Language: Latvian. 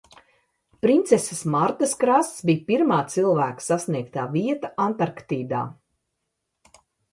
Princeses Martas krasts bija pirmā cilvēka sasniegtā vieta Antarktīdā.